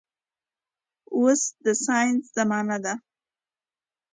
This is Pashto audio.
اوس د ساينس زمانه ده